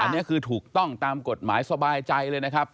อันนี้คือถูกต้องตามกฎหมายสบายใจเลยนะครับ